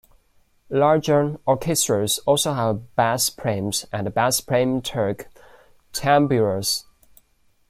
Larger orchestras also have "bas-prims" and "bass-prim-terc" tamburas.